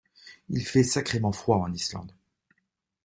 Il fait sacrément froid en Islande.